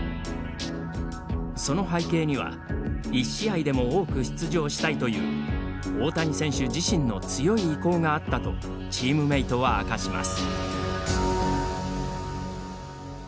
その背景には１試合でも多く出場したいという大谷選手自身の強い意向があったとチームメートは明かします。